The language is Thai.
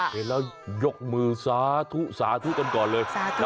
เห็นแล้วยกมือสาธุกันก่อนเลยสาธุจ้า